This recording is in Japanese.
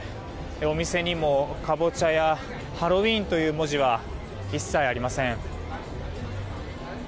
お店にもカボチャやハロウィーンという文字は一切ありません。